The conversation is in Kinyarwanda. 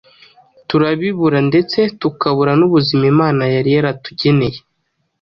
turabibura ndetse tukabura n’ubuzima Imana yari yaratugeneye.